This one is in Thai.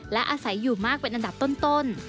และอาศัยอยู่มากเป็นอันดับต้น